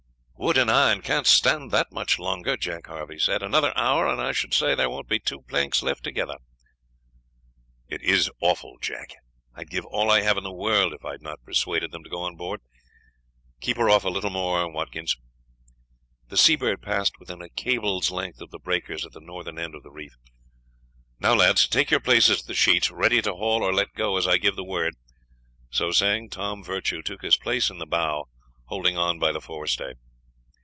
"Wood and iron can't stand that much longer," Jack Harvey said; "another hour and I should say there won't be two planks left together." "It is awful, Jack; I would give all I have in the world if I had not persuaded them to go on board. Keep her off a little more, Watkins." The Seabird passed within a cable's length of the breakers at the northern end of the reef. "Now, lads, take your places at the sheets, ready to haul or let go as I give the word." So saying, Tom Virtue took his place in the bow, holding on by the forestay.